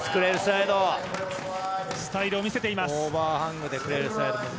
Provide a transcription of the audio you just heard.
スタイルを見せています。